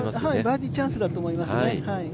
バーディーチャンスだと思いますね。